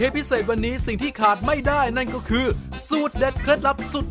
บ้านนี้เน้นอาหารเจเพื่อสุขภาพฮะกับเมนู